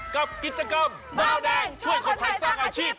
กับกิจกรรมบาวแดงช่วยคนไทยสร้างอาชีพ